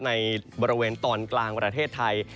ในบริเวณตอนกลางประเทศไทย